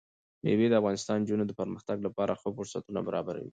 مېوې د افغان نجونو د پرمختګ لپاره ښه فرصتونه برابروي.